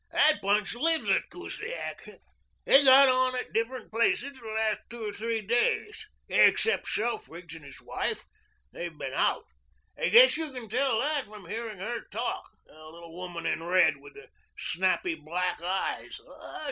"That bunch lives at Kusiak. They've got on at different places the last two or three days except Selfridge and his wife, they've been out. Guess you can tell that from hearing her talk the little woman in red with the snappy black eyes.